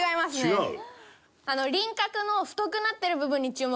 違う？